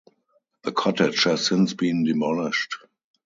The cottage has since been demolished.